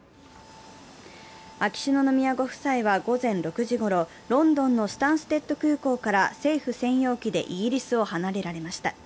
秋篠宮ご夫妻は午前６時ごろ、ロンドンのスタンステッド空港から政府専用機でイギリスを離れられました。